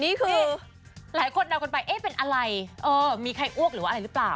นี่คือหลายคนเดี๋ยวกันไปเป็นอะไรมีใครอ้วกหรืออะไรหรือเปล่า